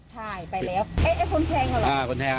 ใช่ไปแล้วคนแทงกันเหรออ๋อคนแทง